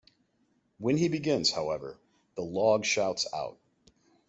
When he begins, however, the log shouts out.